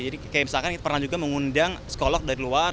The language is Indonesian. jadi kayak misalkan kita pernah juga mengundang psikolog dari luar